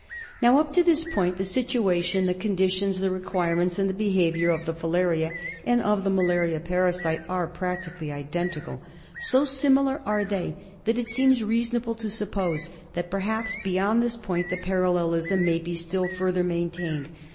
Now up to this point the situation, the conditions, the requirements, and the behaviour of the filaria and of the malaria parasite are practically identical. So similar are they that it seems, rea sonable to sup pose that perhaps beyond this point the parallelism may be still fur ther maintained.